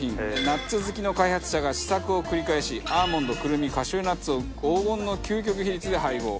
ナッツ好きの開発者が試作を繰り返しアーモンドくるみカシューナッツを黄金の究極比率で配合。